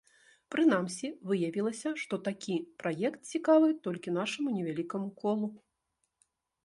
Прынамсі, выявілася, што такі праект цікавы толькі нашаму невялікаму колу.